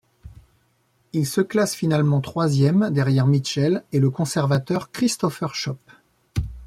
Il se classe finalement troisième derrière Mitchell et le conservateur Christopher Chope.